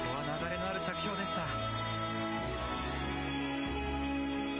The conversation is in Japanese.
流れのある着氷でした。